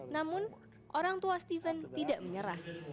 namun orang tua steven tidak menyerah